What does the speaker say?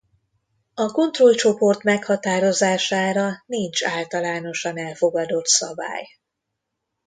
A kontroll csoport meghatározására nincs általánosan elfogadott szabály.